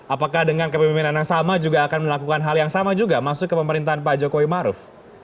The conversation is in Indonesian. apakah dengan kepemimpinan yang sama juga akan melakukan hal yang sama juga masuk ke pemerintahan pak jokowi maruf